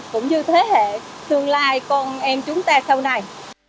cũng như thế hệ tương lai con em chúng ta sau này